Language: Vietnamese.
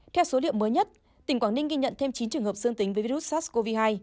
theo số liệu mới nhất tỉnh quảng ninh ghi nhận thêm chín trường hợp dương tính với virus sars cov hai